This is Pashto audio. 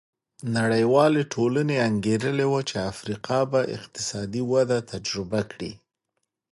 نړیوالې ټولنې انګېرلې وه چې افریقا به اقتصادي وده تجربه کړي.